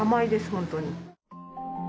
本当に。